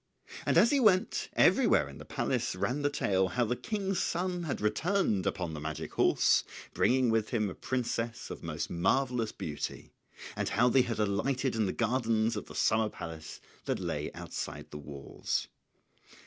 And, as he went, everywhere in the palace ran the tale how the King's son had returned upon the magic horse, bringing with him a princess of most marvellous beauty, and how they had alighted in the gardens of the summer palace that lay outside the walls.